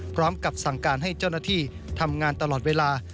พร้อมกับสั่งการให้เจ้าหน้าที่ทำงานตลอดเวลา